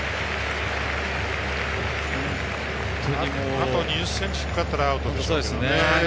あと２０ｃｍ低かったらアウトですね。